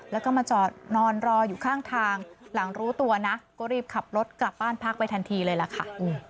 แล้วก็มาจอดนอนรออยู่ข้างทางหลังรู้ตัวนะก็รีบขับรถกลับบ้านพักไปทันทีเลยล่ะค่ะ